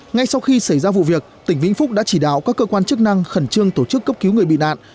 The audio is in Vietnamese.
ngay sau khi xảy ra vụ việc tỉnh vĩnh phúc đã chỉ đạo các cơ quan chức năng khẩn trương tổ chức cấp cứu người bị nạn